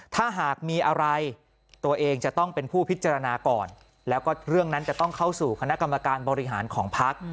ถ้าหากมีอะไรตัวเองจะต้องเป็นผู้พิจารณาก่อน